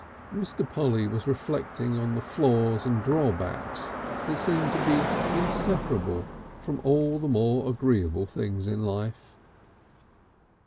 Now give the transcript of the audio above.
Mr. Polly was reflecting on the flaws and drawbacks that seem to be inseparable from all the more agreeable things in life.